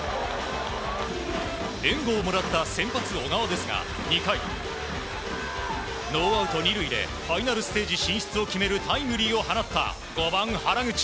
援護をもらった先発、小川ですが２回、ノーアウト２塁でファイナルステージ進出を決めるタイムリーを放った５番、原口。